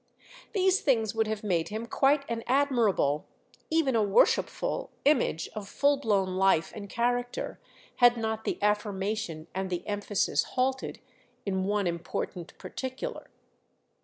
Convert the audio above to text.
These things would have made him quite an admirable, even a worshipful, image of full blown life and character, had not the affirmation and the emphasis halted in one important particular.